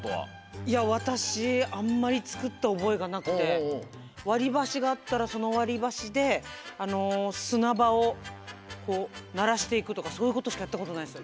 いやわたしあんまりつくったおぼえがなくてわりばしがあったらそのわりばしであのすなばをこうならしていくとかそういうことしかやったことないですよ。